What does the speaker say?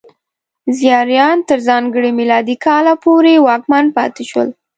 زیاریان تر ځانګړي میلادي کاله پورې واکمن پاتې شول.